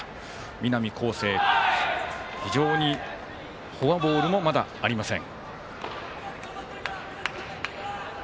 南恒誠、非常にフォアボールもまだありません。